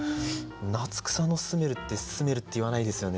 「夏草のスメル」って「スメル」っていわないですよね